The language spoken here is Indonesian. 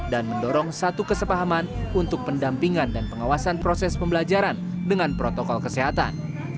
mendorong satu kesepahaman untuk pendampingan dan pengawasan proses pembelajaran dengan protokol kesehatan